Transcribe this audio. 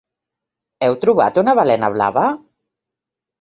Heu trobat una balena blava?